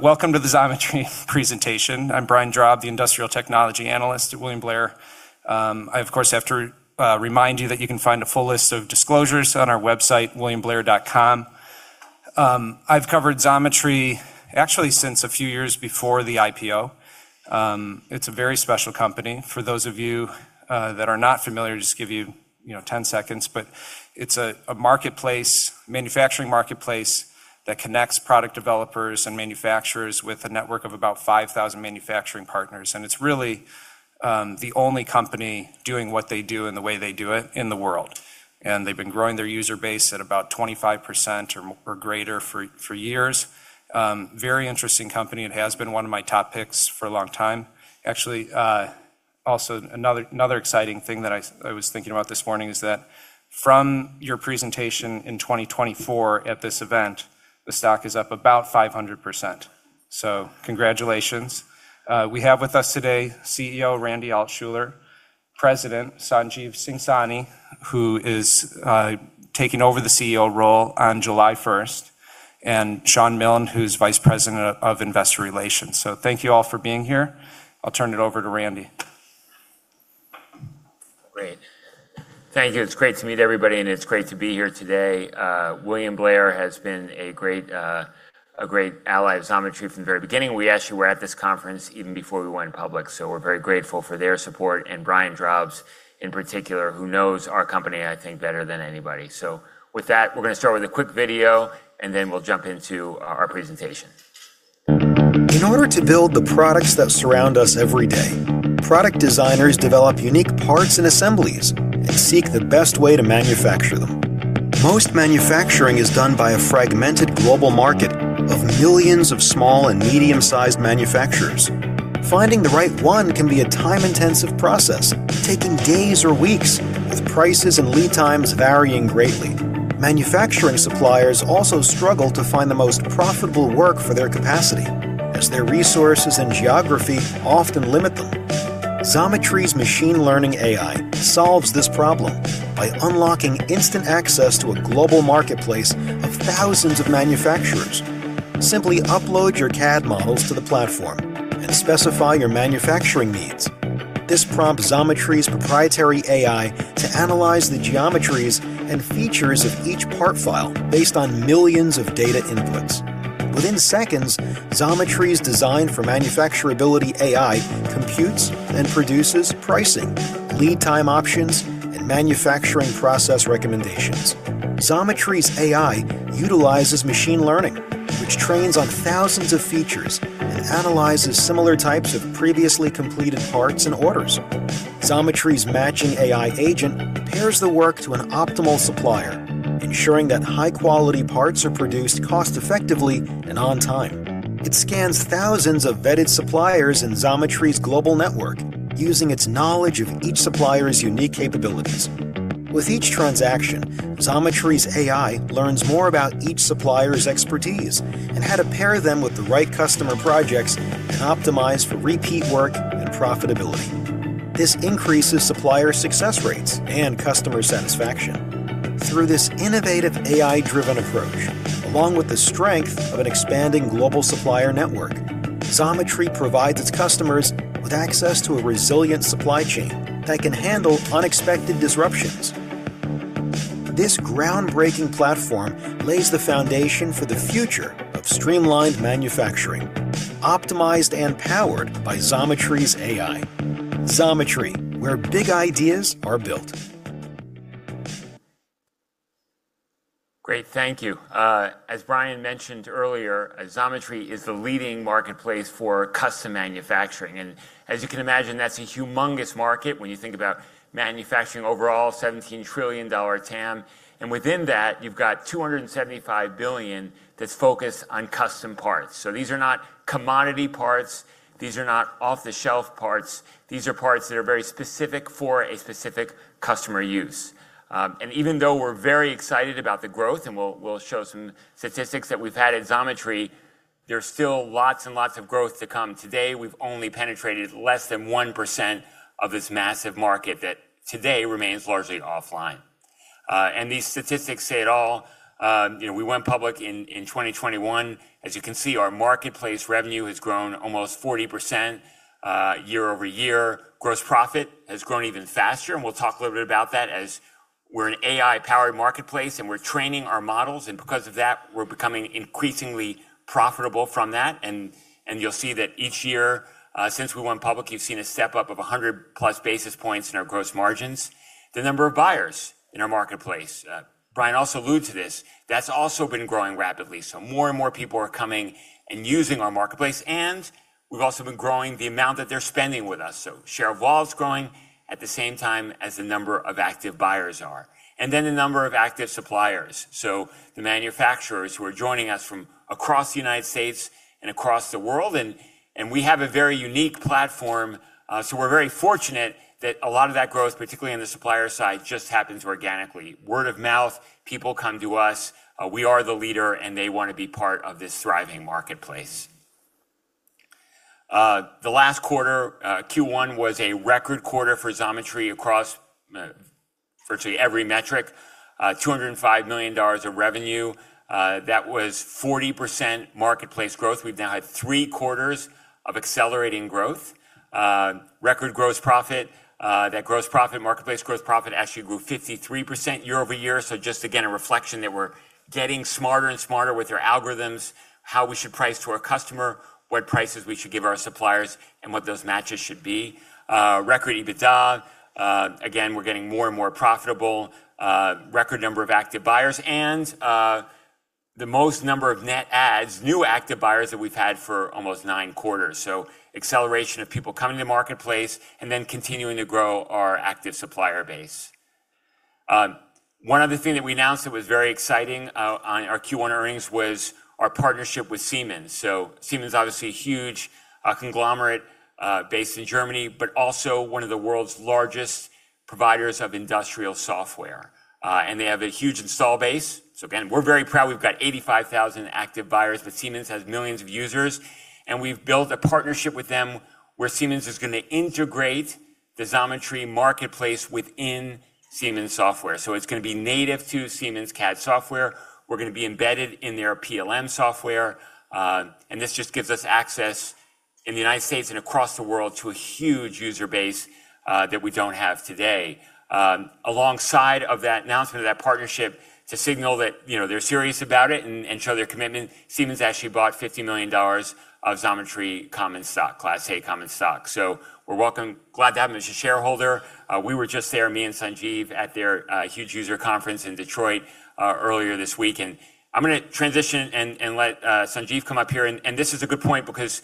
Welcome to the Xometry presentation. I'm Brian Drab, the Industrial Technology Analyst at William Blair. I, of course, have to remind you that you can find a full list of disclosures on our website, williamblair.com. I've covered Xometry actually since a few years before the IPO. It's a very special company. For those of you that are not familiar, just give you 10 seconds, but it's a manufacturing marketplace that connects product developers and manufacturers with a network of about 5,000 manufacturing partners, and it's really the only company doing what they do and the way they do it in the world. They've been growing their user base at about 25% or greater for years. Very interesting company, it has been one of my top picks for a long time. Actually, also another exciting thing that I was thinking about this morning is that from your presentation in 2024 at this event, the stock is up about 500%. Congratulations. We have with us today CEO Randy Altschuler, President Sanjeev Singh Sahni, who is taking over the CEO role on July 1st, and Shawn Milne, who's Vice President of Investor Relations. Thank you all for being here. I'll turn it over to Randy. Great. Thank you. It's great to meet everybody, and it's great to be here today. William Blair has been a great ally of Xometry from the very beginning. We actually were at this conference even before we went public, so we're very grateful for their support and Brian Drab in particular, who knows our company, I think, better than anybody. With that, we're going to start with a quick video, and then we'll jump into our presentation. In order to build the products that surround us every day, product designers develop unique parts and assemblies and seek the best way to manufacture them. Most manufacturing is done by a fragmented global market of millions of small and medium-sized manufacturers. Finding the right one can be a time-intensive process, taking days or weeks, with prices and lead times varying greatly. Manufacturing suppliers also struggle to find the most profitable work for their capacity, as their resources and geography often limit them. Xometry's machine learning AI solves this problem by unlocking instant access to a global marketplace of thousands of manufacturers. Simply upload your CAD models to the platform and specify your manufacturing needs. This prompts Xometry's proprietary AI to analyze the geometries and features of each part file based on millions of data inputs. Within seconds, Xometry's design for manufacturability AI computes and produces pricing, lead time options, and manufacturing process recommendations. Xometry's AI utilizes machine learning, which trains on thousands of features and analyzes similar types of previously completed parts and orders. Xometry's matching AI agent pairs the work to an optimal supplier, ensuring that high-quality parts are produced cost-effectively and on time. It scans thousands of vetted suppliers in Xometry's global network, using its knowledge of each supplier's unique capabilities. With each transaction, Xometry's AI learns more about each supplier's expertise and how to pair them with the right customer projects and optimize for repeat work and profitability. This increases supplier success rates and customer satisfaction. Through this innovative AI-driven approach, along with the strength of an expanding global supplier network, Xometry provides its customers with access to a resilient supply chain that can handle unexpected disruptions. This groundbreaking platform lays the foundation for the future of streamlined manufacturing, optimized and powered by Xometry's AI. Xometry, where big ideas are built. Great, thank you. As Brian mentioned earlier, Xometry is the leading marketplace for custom manufacturing. As you can imagine, that's a humongous market when you think about manufacturing overall, $17 trillion TAM. Within that, you've got $275 billion that's focused on custom parts. These are not commodity parts, these are not off-the-shelf parts. These are parts that are very specific for a specific customer use. Even though we're very excited about the growth, and we'll show some statistics that we've had at Xometry, there's still lots and lots of growth to come. Today, we've only penetrated less than 1% of this massive market that today remains largely offline. These statistics say it all. We went public in 2021. As you can see, our marketplace revenue has grown almost 40% year-over-year. Gross profit has grown even faster, and we'll talk a little bit about that as we're an AI-powered marketplace, and we're training our models. Because of that, we're becoming increasingly profitable from that. You'll see that each year since we went public, you've seen a step-up of 100+ basis points in our gross margins. The number of buyers in our marketplace, Brian also alludes to this, that's also been growing rapidly. More and more people are coming and using our marketplace, and we've also been growing the amount that they're spending with us. Share of wallet is growing at the same time as the number of active buyers are. The number of active suppliers, so the manufacturers who are joining us from across the United States and across the world, and we have a very unique platform. We're very fortunate that a lot of that growth, particularly on the supplier side, just happens organically. Word of mouth, people come to us. We are the leader, and they want to be part of this thriving marketplace. The last quarter, Q1, was a record quarter for Xometry across virtually every metric. $205 million of revenue. That was 40% marketplace growth. We've now had three quarters of accelerating growth. Record gross profit. That marketplace gross profit actually grew 53% year-over-year. Just again, a reflection that we're getting smarter and smarter with our algorithms, how we should price to our customer, what prices we should give our suppliers, and what those matches should be. Record EBITDA. Again, we're getting more and more profitable. Record number of active buyers and the most number of net adds, new active buyers that we've had for almost nine quarters. Acceleration of people coming to marketplace and then continuing to grow our active supplier base. One other thing that we announced that was very exciting on our Q1 earnings was our partnership with Siemens. Siemens, obviously a huge conglomerate based in Germany, but also one of the world's largest providers of industrial software. They have a huge install base. Again, we're very proud we've got 85,000 active buyers, but Siemens has millions of users. We've built a partnership with them where Siemens is going to integrate the Xometry marketplace within Siemens software. It's going to be native to Siemens CAD software. We're going to be embedded in their PLM software. This just gives us access in the United States and across the world to a huge user base that we don't have today. Alongside of that announcement of that partnership to signal that they're serious about it and show their commitment, Siemens actually bought $50 million of Xometry common stock, Class A common stock. We're glad to have them as a shareholder. We were just there, me and Sanjeev, at their huge user conference in Detroit earlier this week. I'm going to transition and let Sanjeev come up here. This is a good point because,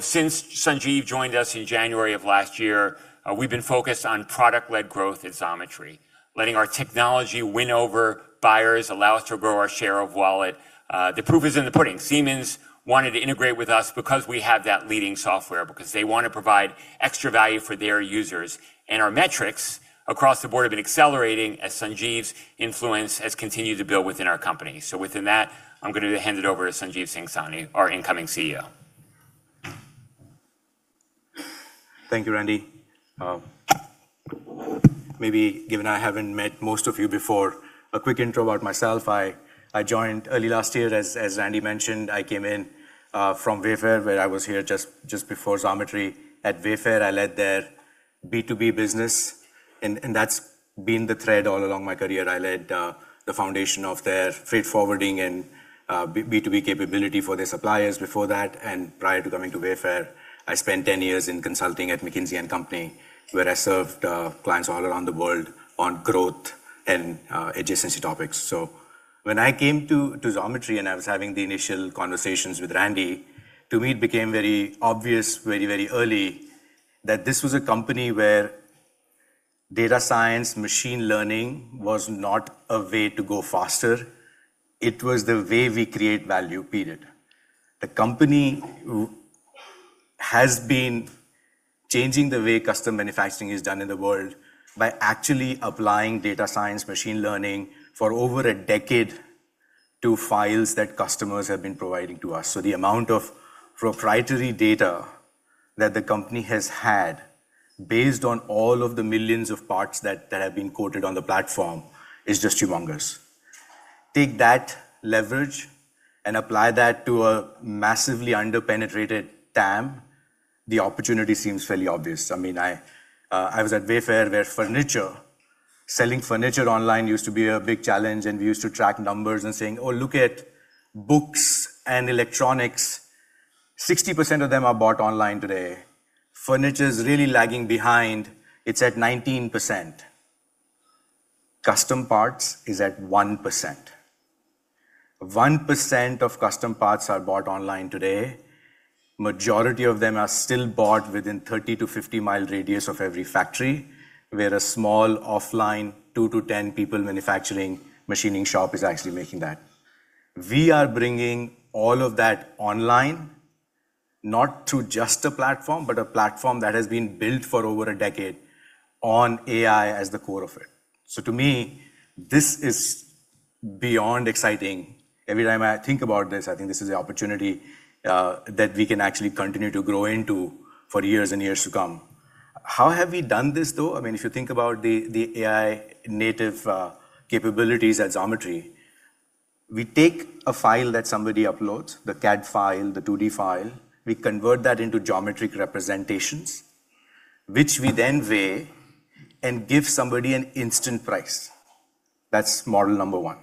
since Sanjeev joined us in January of last year, we've been focused on product-led growth at Xometry, letting our technology win over buyers, allow us to grow our share of wallet. The proof is in the pudding. Siemens wanted to integrate with us because we have that leading software, because they want to provide extra value for their users. Our metrics across the board have been accelerating as Sanjeev's influence has continued to build within our company. Within that, I'm going to hand it over to Sanjeev Singh Sahni, our incoming CEO. Thank you, Randy. Maybe given I haven't met most of you before, a quick intro about myself. I joined early last year as Randy mentioned. I came in from Wayfair, where I was here just before Xometry. At Wayfair, I led their B2B business, and that's been the thread all along my career. I led the foundation of their freight forwarding and B2B capability for their suppliers before that. Prior to coming to Wayfair, I spent 10 years in consulting at McKinsey & Company, where I served clients all around the world on growth and adjacency topics. When I came to Xometry and I was having the initial conversations with Randy, to me, it became very obvious very early that this was a company where data science, machine learning was not a way to go faster. It was the way we create value, period. The company has been changing the way custom manufacturing is done in the world by actually applying data science, machine learning for over a decade to files that customers have been providing to us. The amount of proprietary data that the company has had based on all of the millions of parts that have been quoted on the platform is just humongous. Take that leverage and apply that to a massively under-penetrated TAM, the opportunity seems fairly obvious. I was at Wayfair, where furniture selling furniture online used to be a big challenge, and we used to track numbers and saying, "Oh, look at books and electronics. 60% of them are bought online today. Furniture's really lagging behind. It's at 19%. Custom parts is at 1%. 1% of custom parts are bought online today. Majority of them are still bought within 30-50-mi radius of every factory, where a small offline two to 10 people manufacturing machining shop is actually making that. We are bringing all of that online, not through just a platform, but a platform that has been built for over a decade on AI as the core of it. To me, this is beyond exciting. Every time I think about this, I think this is the opportunity that we can actually continue to grow into for years and years to come. How have we done this, though? If you think about the AI-native capabilities at Xometry, we take a file that somebody uploads, the CAD file, the 2D file. We convert that into geometric representations, which we then weigh and give somebody an instant price. That's model number one.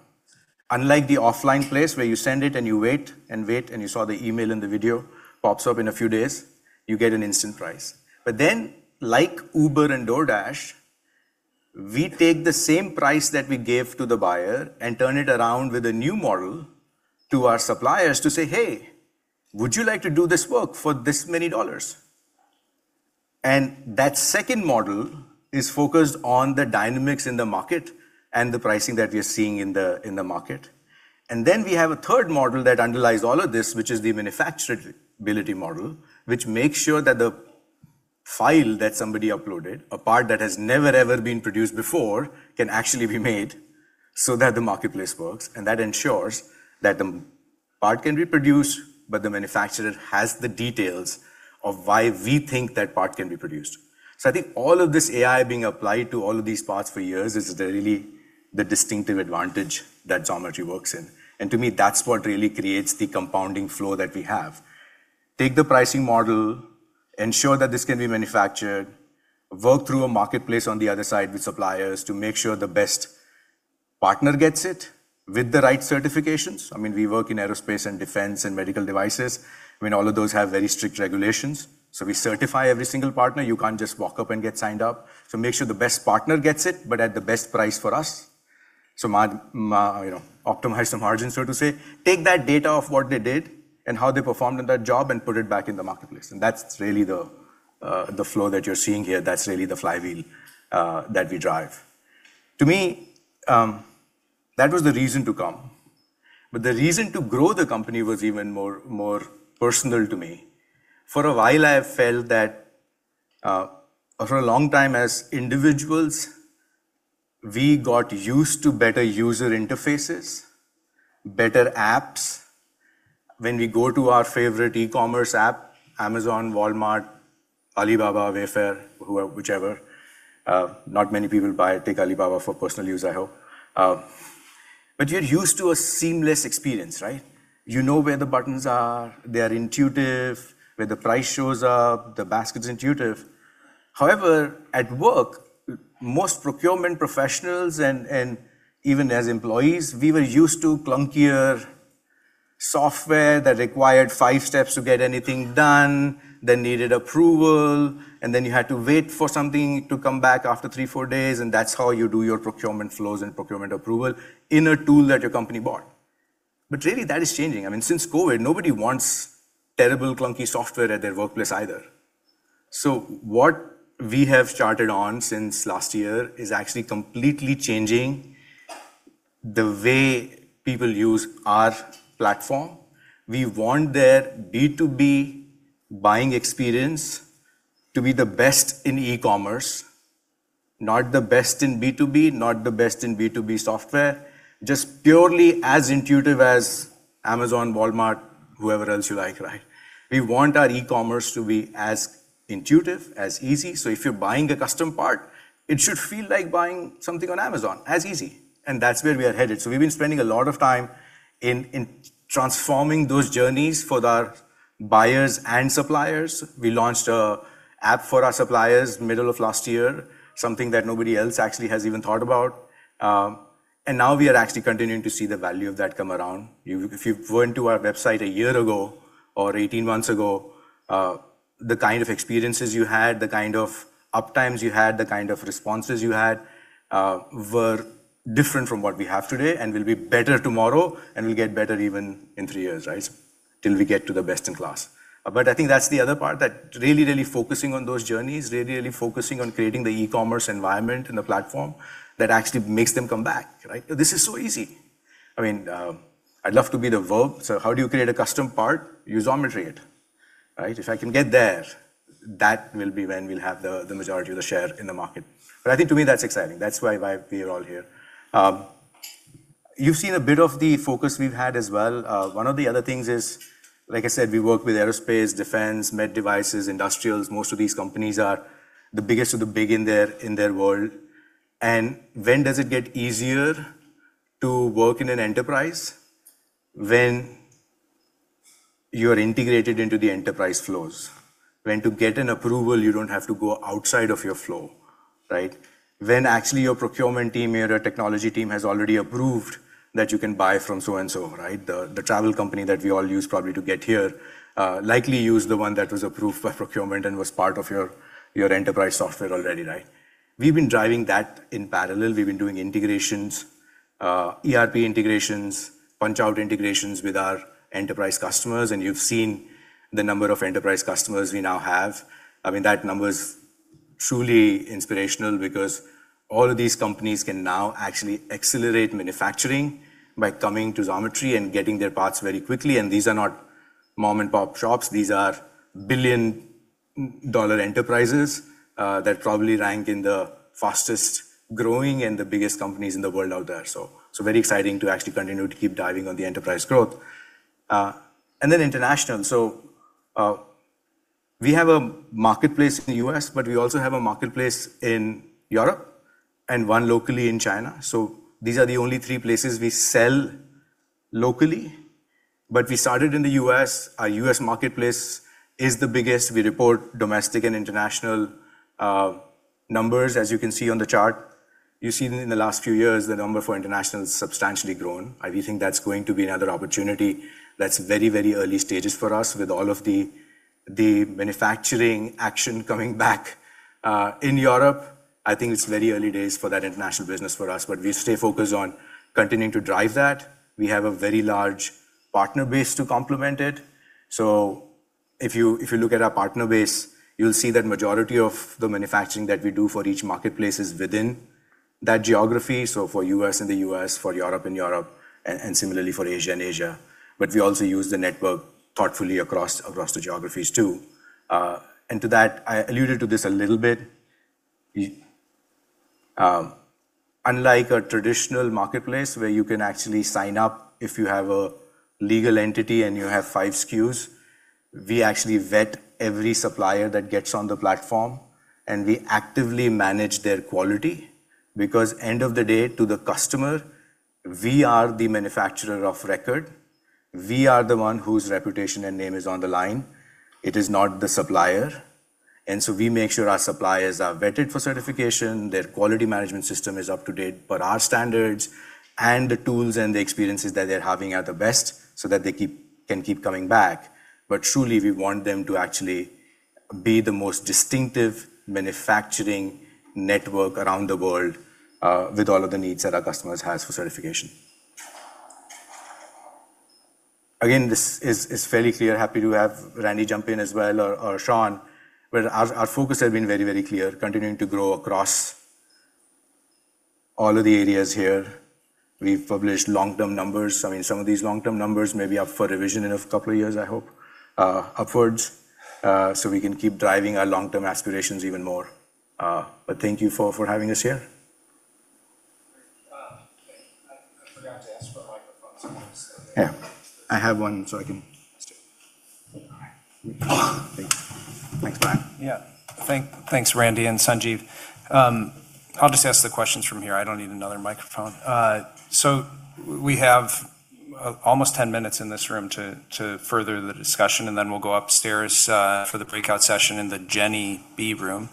Unlike the offline place where you send it and you wait and wait, and you saw the email and the video pops up in a few days, you get an instant price. Like Uber and DoorDash, we take the same price that we gave to the buyer and turn it around with a new model to our suppliers to say, "Hey, would you like to do this work for this many dollars?" That second model is focused on the dynamics in the market and the pricing that we are seeing in the market. We have a third model that underlies all of this, which is the manufacturability model, which makes sure that the file that somebody uploaded, a part that has never, ever been produced before can actually be made so that the marketplace works. That ensures that the part can be produced, but the manufacturer has the details of why we think that part can be produced. I think all of this AI being applied to all of these parts for years is really the distinctive advantage that Xometry works in. To me, that's what really creates the compounding flow that we have. Take the pricing model, ensure that this can be manufactured, work through a marketplace on the other side with suppliers to make sure the best partner gets it with the right certifications. We work in aerospace and defense and medical devices. All of those have very strict regulations, so we certify every single partner. You can't just walk up and get signed up. Make sure the best partner gets it, but at the best price for us. Optimize some margins, so to say. Take that data of what they did and how they performed on that job and put it back in the marketplace, and that's really the flow that you're seeing here. That's really the flywheel that we drive. To me, that was the reason to come, but the reason to grow the company was even more personal to me. For a while I've felt that for a long time as individuals, we got used to better user interfaces, better apps. When we go to our favorite e-commerce app, Amazon, Walmart, Alibaba, Wayfair, whichever. Not many people take Alibaba for personal use, I hope. You're used to a seamless experience, right? You know where the buttons are, they are intuitive, where the price shows up, the basket's intuitive. At work, most procurement professionals and even as employees, we were used to clunkier software that required five steps to get anything done, that needed approval, and then you had to wait for something to come back after three, four days, and that's how you do your procurement flows and procurement approval in a tool that your company bought. Really, that is changing. Since COVID, nobody wants terrible clunky software at their workplace either. What we have charted on since last year is actually completely changing the way people use our platform. We want their B2B buying experience to be the best in e-commerce. Not the best in B2B, not the best in B2B software, just purely as intuitive as Amazon, Walmart, whoever else you like, right? We want our e-commerce to be as intuitive, as easy. If you're buying a custom part, it should feel like buying something on Amazon. As easy. That's where we are headed. We've been spending a lot of time in transforming those journeys for our buyers and suppliers. We launched a app for our suppliers middle of last year, something that nobody else actually has even thought about. Now we are actually continuing to see the value of that come around. If you went to our website a year ago or 18 months ago, the kind of experiences you had, the kind of up times you had, the kind of responses you had, were different from what we have today and will be better tomorrow, and will get better even in three years, right. Till we get to the best in class. I think that's the other part that focusing on those journeys, focusing on creating the e-commerce environment and the platform, that actually makes them come back, right? This is so easy. I'd love to be the verb. How do you create a custom part? You Xometry it, right? If I can get there, that will be when we'll have the majority of the share in the market. I think to me, that's exciting. That's why we are all here. You've seen a bit of the focus we've had as well. One of the other things is, like I said, we work with aerospace, defense, med devices, industrials. Most of these companies are the biggest of the big in their world. When does it get easier to work in an enterprise? When you're integrated into the enterprise flows. When to get an approval, you don't have to go outside of your flow, right? When actually your procurement team, your technology team has already approved that you can buy from so and so, right? The travel company that we all used probably to get here, likely used the one that was approved by procurement and was part of your enterprise software already, right? We've been driving that in parallel. We've been doing integrations, ERP integrations, punch-out integrations with our enterprise customers, and you've seen the number of enterprise customers we now have. That number's truly inspirational because all of these companies can now actually accelerate manufacturing by coming to Xometry and getting their parts very quickly. These are not mom-and-pop shops. These are billion-dollar enterprises, that probably rank in the fastest-growing and the biggest companies in the world out there. Very exciting to actually continue to keep diving on the enterprise growth. International. We have a marketplace in the U.S., but we also have a marketplace in Europe and one locally in China. These are the only three places we sell locally, but we started in the U.S. Our U.S. marketplace is the biggest. We report domestic and international numbers, as you can see on the chart. You've seen in the last few years the number for international has substantially grown. We think that's going to be another opportunity that's very, very early stages for us with all of the manufacturing action coming back in Europe. I think it's very early days for that international business for us, but we stay focused on continuing to drive that. We have a very large partner base to complement it. If you look at our partner base, you'll see that majority of the manufacturing that we do for each marketplace is within that geography, so for U.S. in the U.S., for Europe in Europe, and similarly for Asia in Asia. We also use the network thoughtfully across the geographies too. To that, I alluded to this a little bit. Unlike a traditional marketplace where you can actually sign up if you have a legal entity and you have five SKUs, we actually vet every supplier that gets on the platform, and we actively manage their quality. Because end of the day, to the customer, we are the manufacturer of record. We are the one whose reputation and name is on the line. It is not the supplier. We make sure our suppliers are vetted for certification, their quality management system is up to date, per our standards, and the tools and the experiences that they're having are the best, so that they can keep coming back. Truly, we want them to actually be the most distinctive manufacturing network around the world, with all of the needs that our customers have for certification. Again, this is fairly clear. Happy to have Randy jump in as well, or Shawn, our focus has been very clear, continuing to grow across all of the areas here. We've published long-term numbers. Some of these long-term numbers may be up for revision in a couple of years, I hope, upwards, we can keep driving our long-term aspirations even more. Thank you for having us here. I forgot to ask for a microphone. Yeah. I have one, so I can Let's do it. All right. Thanks, Brian. Yeah. Thanks, Randy and Sanjeev. I'll just ask the questions from here. I don't need another microphone. We have almost 10 minutes in this room to further the discussion, and then we'll go upstairs for the breakout session in the Jenny B room.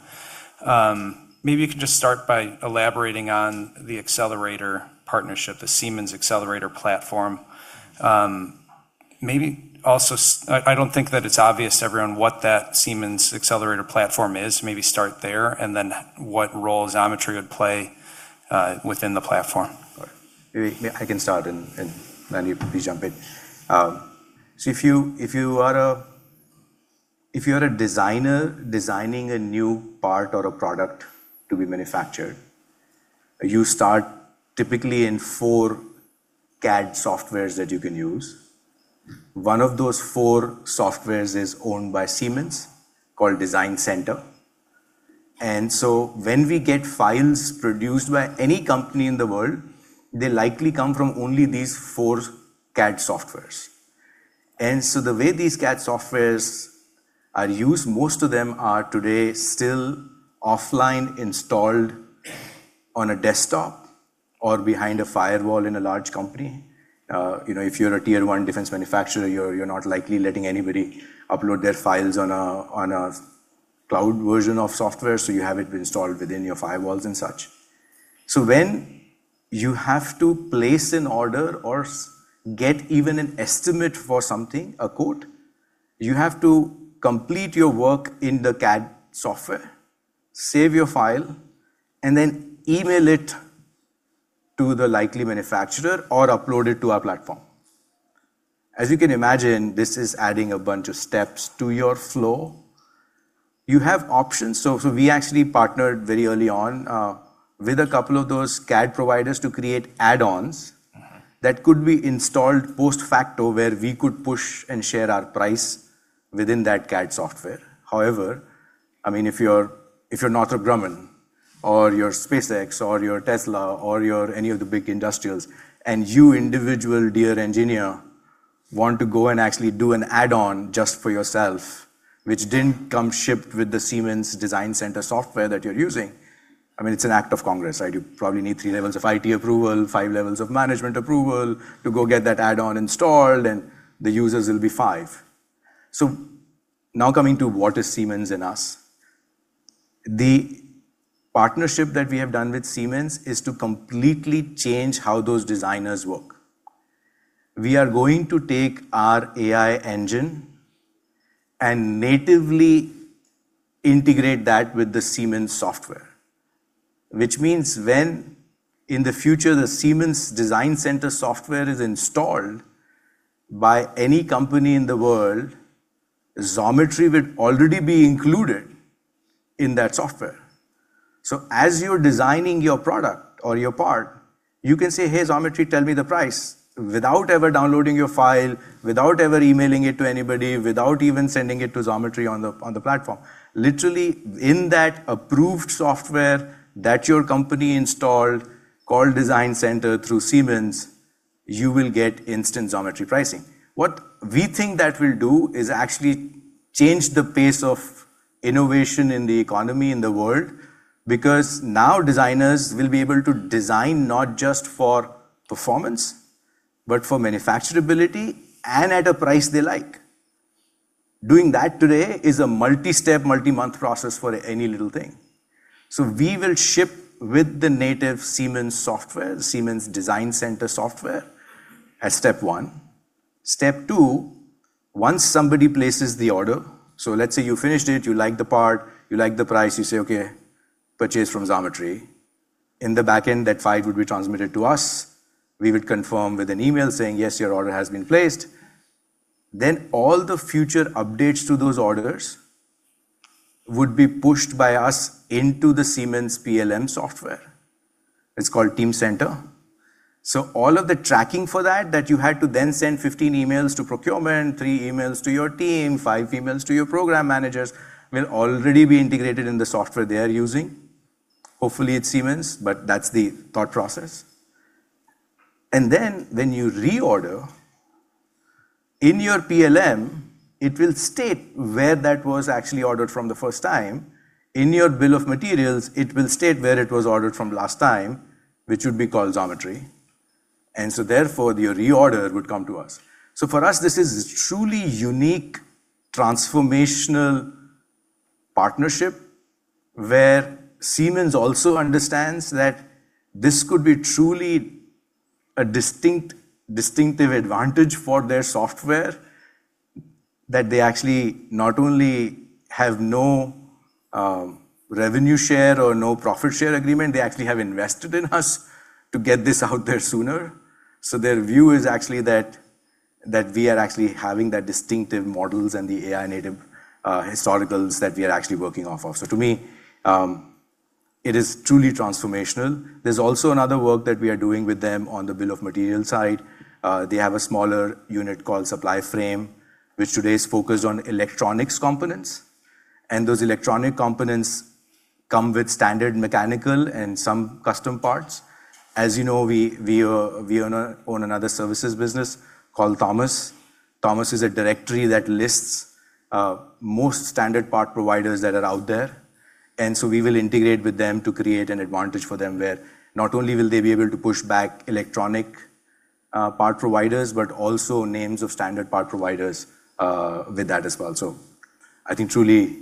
You can just start by elaborating on the Xcelerator partnership, the Siemens Xcelerator platform. I don't think that it's obvious to everyone what that Siemens Xcelerator platform is. Start there, and then what role Xometry would play within the platform. I can start. Randy, please jump in. If you are a designer, designing a new part or a product to be manufactured, you start typically in four CAD softwares that you can use. One of those four softwares is owned by Siemens, called Designcenter. When we get files produced by any company in the world, they likely come from only these four CAD softwares. The way these CAD softwares are used, most of them are today still offline, installed on a desktop or behind a firewall in a large company. If you're a Tier 1 defense manufacturer, you're not likely letting anybody upload their files on a cloud version of software, so you have it installed within your firewalls and such. When you have to place an order or get even an estimate for something, a quote, you have to complete your work in the CAD software, save your file, and then email it to the likely manufacturer or upload it to our platform. As you can imagine, this is adding a bunch of steps to your flow. You have options. We actually partnered very early on with a couple of those CAD providers to create add-ons that could be installed post-facto, where we could push and share our price within that CAD software. However, if you're Northrop Grumman or you're, or you're Tesla, or you're any of the big industrials, and you, individual dear engineer, want to go and actually do an add-on just for yourself, which didn't come shipped with the Siemens Designcenter software that you're using, it's an act of Congress. You probably need three levels of IT approval, five levels of management approval to go get that add-on installed, and the users will be five. Now coming to what is Siemens and us. The partnership that we have done with Siemens is to completely change how those designers work. We are going to take our AI engine and natively integrate that with the Siemens software. When, in the future, the Siemens Designcenter software is installed by any company in the world, Xometry will already be included in that software. As you're designing your product or your part, you can say, "Hey, Xometry, tell me the price," without ever downloading your file, without ever emailing it to anybody, without even sending it to Xometry on the platform. Literally, in that approved software that your company installed, called Designcenter through Siemens, you will get instant Xometry pricing. What we think that will do is actually change the pace of innovation in the economy in the world, because now designers will be able to design not just for performance, but for manufacturability and at a price they like. Doing that today is a multi-step, multi-month process for any little thing. We will ship with the native Siemens software, the Siemens Designcenter software, as step one. Step two, once somebody places the order, so let's say you finished it, you like the part, you like the price, you say, "Okay, purchase from Xometry." In the back end, that file would be transmitted to us. We would confirm with an email saying, "Yes, your order has been placed. Then all the future updates to those orders would be pushed by us into the Siemens PLM software. It's called Teamcenter. All of the tracking for that you had to then send 15 emails to procurement, three emails to your team, five emails to your program managers, will already be integrated in the software they are using. Hopefully, it's Siemens, but that's the thought process. When you reorder, in your PLM, it will state where that was actually ordered from the first time. In your bill of materials, it will state where it was ordered from last time, which would be called Xometry. Your reorder would come to us. For us, this is a truly unique, transformational partnership where Siemens also understands that this could be truly a distinctive advantage for their software. That they actually not only have no revenue share or no profit share agreement, they actually have invested in us to get this out there sooner. Their view is actually that we are actually having that distinctive models and the AI-native historicals that we are actually working off of. To me, it is truly transformational. There's also another work that we are doing with them on the bill of materials side. They have a smaller unit called Supplyframe, which today is focused on electronics components. Those electronic components come with standard mechanical and some custom parts. As you know, we own another services business called Thomas. Thomas is a directory that lists most standard part providers that are out there. We will integrate with them to create an advantage for them where not only will they be able to push back electronic part providers, but also names of standard part providers with that as well. I think truly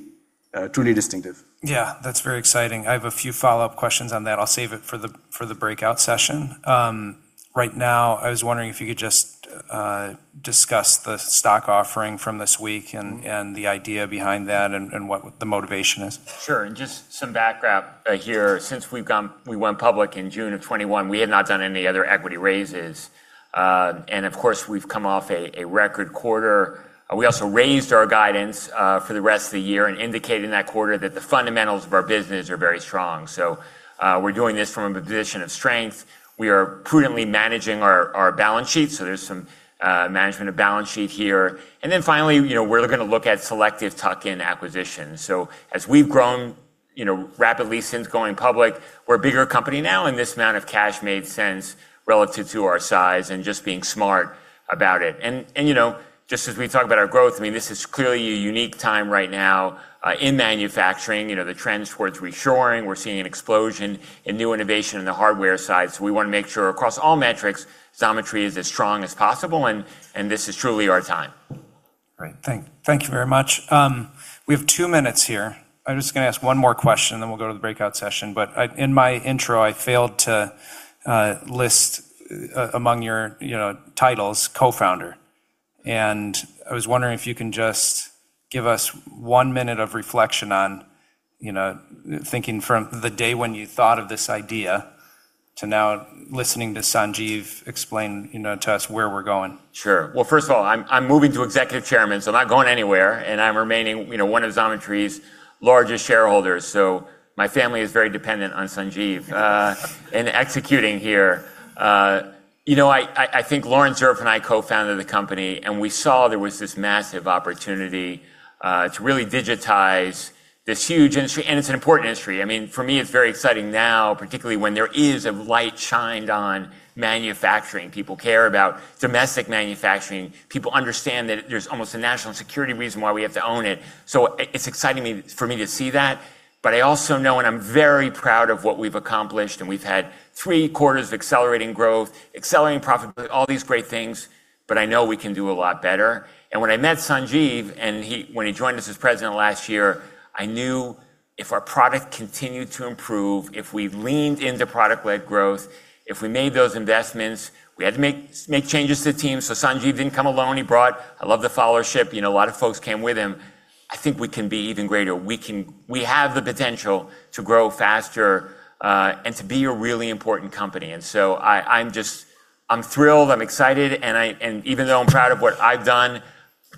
distinctive. Yeah, that's very exciting. I have a few follow-up questions on that. I'll save it for the breakout session. Right now, I was wondering if you could just discuss the stock offering from this week and the idea behind that and what the motivation is. Sure. Just some background here. Since we went public in June of 2021, we have not done any other equity raises. Of course, we've come off a record quarter. We also raised our guidance for the rest of the year and indicated in that quarter that the fundamentals of our business are very strong. We're doing this from a position of strength. We are prudently managing our balance sheet. There's some management of balance sheet here. Finally, we're going to look at selective tuck-in acquisitions. As we've grown rapidly since going public, we're a bigger company now, and this amount of cash made sense relative to our size and just being smart about it. Just as we talk about our growth, this is clearly a unique time right now in manufacturing, the trends towards reshoring. We're seeing an explosion in new innovation in the hardware side. We want to make sure across all metrics, Xometry is as strong as possible and this is truly our time. Great. Thank you very much. We have two minutes here. I am just going to ask one more question, then we will go to the breakout session. In my intro, I failed to list among your titles, co-founder. I was wondering if you can just give us one minute of reflection on thinking from the day when you thought of this idea to now listening to Sanjeev explain to us where we are going. Sure. Well, first of all, I'm moving to executive chairman, so I'm not going anywhere. I'm remaining one of Xometry's largest shareholders. My family is very dependent on Sanjeev and executing here. I think Laurence Zuriff and I co-founded the company, and we saw there was this massive opportunity to really digitize this huge industry. It's an important industry. For me, it's very exciting now, particularly when there is a light shined on manufacturing. People care about domestic manufacturing. People understand that there's almost a national security reason why we have to own it. It's exciting for me to see that. I also know, and I'm very proud of what we've accomplished, and we've had three quarters of accelerating growth, accelerating profitability, all these great things, but I know we can do a lot better. When I met Sanjeev, and when he joined us as president last year, I knew if our product continued to improve, if we leaned into product-led growth, if we made those investments, we had to make changes to the team. Sanjeev didn't come alone. He brought I love the followership. A lot of folks came with him. I think we can be even greater. We have the potential to grow faster and to be a really important company. I'm thrilled, I'm excited, and even though I'm proud of what I've done,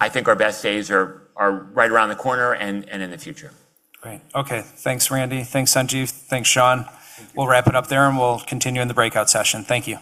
I think our best days are right around the corner and in the future. Great. Okay. Thanks, Randy. Thanks, Sanjeev. Thanks, Shawn. Thank you. We'll wrap it up there, and we'll continue in the breakout session. Thank you.